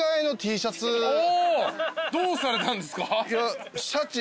どうされたんですか？